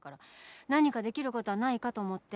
「何かできることはないかと思って」